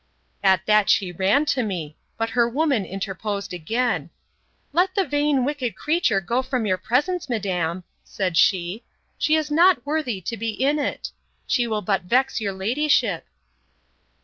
At that she ran to me; but her woman interposed again: Let the vain wicked creature go from your presence, madam, said she. She is not worthy to be in it. She will but vex your ladyship.